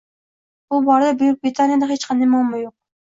Bu borada Buyuk Britaniyada hech qanday muammo yoʻq.